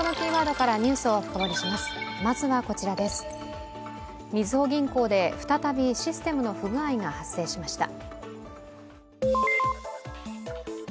みずほ銀行で再びシステムの不具合が発生しました。